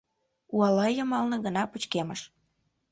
Уала йымалне гына пычкемыш.